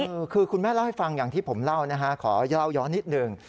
เออคือคุณแม่เล่าให้ฟังอย่างที่ผมเล่านะฮะขอเล่าย้อนนิดหนึ่ง